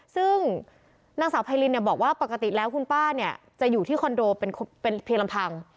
ซึ่งนางสาวไพรินบอกว่าปกติแล้วคุณป้าเนี่ยจะอยู่ที่คอนโดเป็นเพียงลำพัง